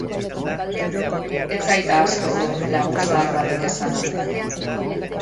Ez zait ahaztuko, lagun zahar batek esana.